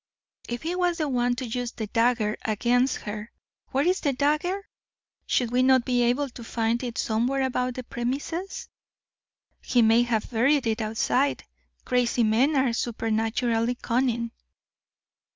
"If he was the one to use the dagger against her, where is the dagger? Should we not be able to find it somewhere about the premises?" "He may have buried it outside. Crazy men are supernaturally cunning."